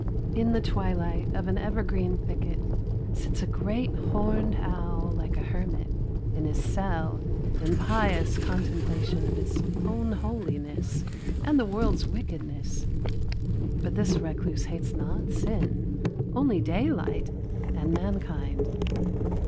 In the twilight of an evergreen thicket sits a great horned owl like a hermit in his cell in pious contemplation of his own holiness and the world's wickedness. But this recluse hates not sin, only daylight and mankind.